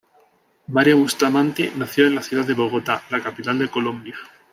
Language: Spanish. Mario Bustamante nació en la ciudad de Bogotá, la capital de Colombia.